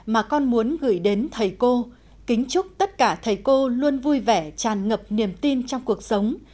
mà con muốn gửi đến thầy cô kính chúc tất cả thầy cô luôn vui vẻ tràn ngập niềm tin trong cuộc sống